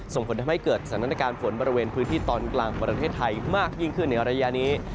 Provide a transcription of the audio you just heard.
ส่งผลทำให้เกิดสถานการณ์ฝนบริเวณพื้นที่ตอนกลางของประเทศไทยมากยิ่งขึ้นในระยะนี้